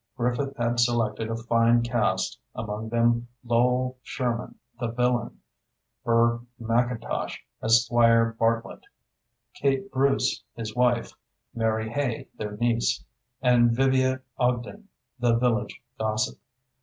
Griffith had selected a fine cast, among them Lowell Sherman, the villain; Burr McIntosh, as Squire Bartlett; Kate Bruce, his wife; Mary Hay, their niece; and Vivia Ogden, the village gossip.